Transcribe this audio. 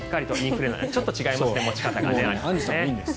ちょっと持ち方が違いますね。